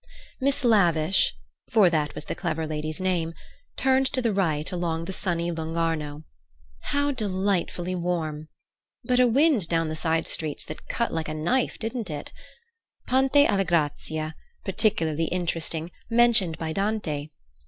Miss Lavish—for that was the clever lady's name—turned to the right along the sunny Lung' Arno. How delightfully warm! But a wind down the side streets cut like a knife, didn't it? Ponte alle Grazie—particularly interesting, mentioned by Dante.